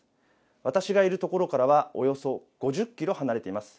私がいる所からはおよそ５０キロ離れています。